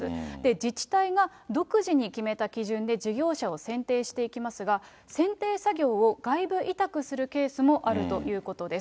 自治体が独自に決めた基準で、事業者を選定していきますが、選定作業を外部委託するケースもあるということです。